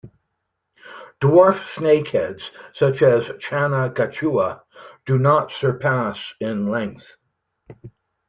Dwarf snakeheads, such as "Channa gachua", do not surpass in length.